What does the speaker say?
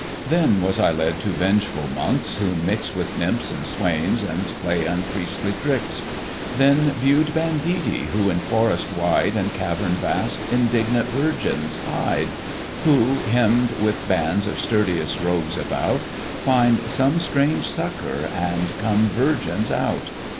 Then was I led to vengeful monks, who mix With nymphs and swains, and play unpriestly tricks; Then view'd banditti who in forest wide, And cavern vast, indignant virgins hide; Who, hemm'd with bands of sturdiest rogues about, Find some strange succour, and come virgins out.